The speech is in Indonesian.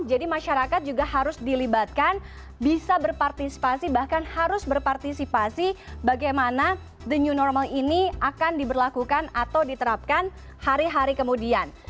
jadi masyarakat juga harus dilibatkan bisa berpartisipasi bahkan harus berpartisipasi bagaimana the new normal ini akan diberlakukan atau diterapkan hari hari kemudian